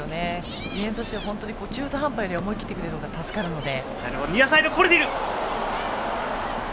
ディフェンスとしては中途半端よりは思い切ってくれる方が助かるので。